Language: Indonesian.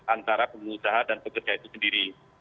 antara pengusaha dan pekerja itu sendiri